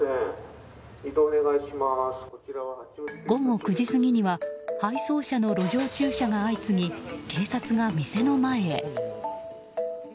午後９時過ぎには配送車の路上駐車が相次ぎ警察が店の前へ。